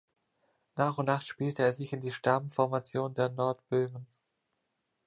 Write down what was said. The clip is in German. Nach und nach spielte er sich in die Stammformation der Nordböhmen.